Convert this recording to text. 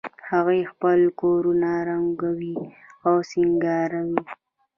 هغوی خپل کورونه رنګوي او سینګاروي